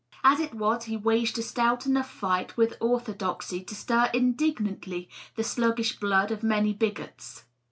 As it was, he waged a stout enough fight with orthodoxy to stir indignantly the sluggish blood of many bigots.